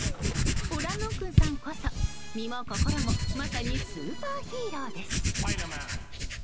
オランロクンさんこそ身も心もまさにスーパーヒーローです。